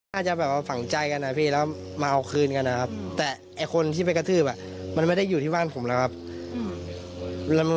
อาจจะแบบว่าฝังใจกันนะพี่แล้วมาเอาคืนกันนะครับแต่ไอ้คนที่ไปกระทืบมันไม่ได้อยู่ที่บ้านผมแล้วครับ